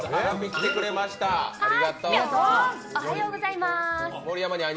ぴょーん、おはようございます！